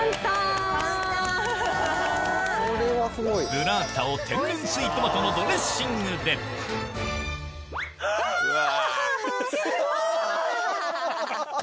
ブラータを天然水トマトのドレッシングでうわ！